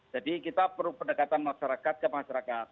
jadi kita perlu pendekatan masyarakat ke masyarakat